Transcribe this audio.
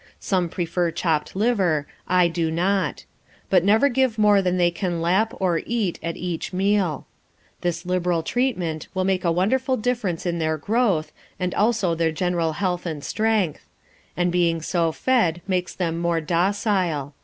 Some prefer chopped liver; I do not; but never give more than they can lap or eat at each meal. This liberal treatment will make a wonderful difference in their growth, and also their general health and strength; and being so fed makes them more docile.